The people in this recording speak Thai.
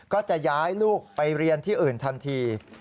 ก็จะย้ายลูกไปเรียนที่อื่นทันที